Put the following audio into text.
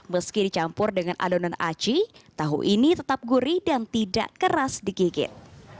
meski dicampur dengan adonan aci tahu ini tetap gurih dan tidak keras digigit